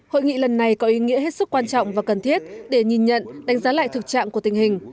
hội nghị lần này có ý nghĩa hết sức quan trọng và cần thiết để nhìn nhận đánh giá lại thực trạng của tình hình